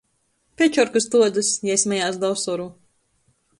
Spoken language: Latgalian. "Pečorkys tuodys!" jei smejās da osoru.